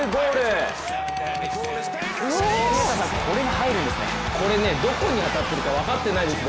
啓太さん、これが入るんですね。